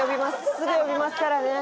すぐ呼びますからね！」